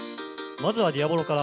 まずはディアボロから。